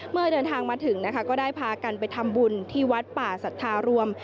เมื่อเดินทางมาถึงนะคะก็ได้พากันไปทำบุญที่วัดป่าสัทธารวม